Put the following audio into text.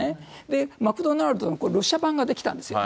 で、マクドナルドのロシア版が出来たんですよ。